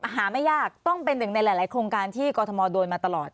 ไม่ยากต้องเป็นหนึ่งในหลายโครงการที่กรทมโดนมาตลอด